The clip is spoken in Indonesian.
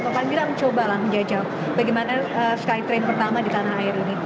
maka kita mencobalah menjajah bagaimana skytrain pertama di tanah air ini